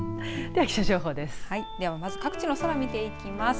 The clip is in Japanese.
では、まず各地の空見ていきます。